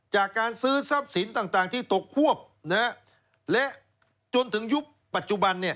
จากการซื้อทรัพย์สินต่างที่ตกควบและจนถึงยุคปัจจุบัน